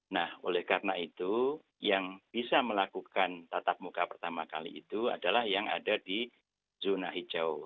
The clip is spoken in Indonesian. nah oleh karena itu yang bisa melakukan tatap muka pertama kali itu adalah yang ada di zona hijau